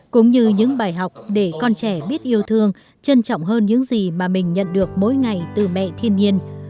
cũng như những bài học để con trẻ biết yêu thương trân trọng hơn những gì mà mình nhận được mỗi ngày từ mẹ thiên nhiên